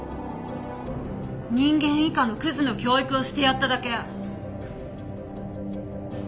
人間以下のくずの教育をしてやっただけ。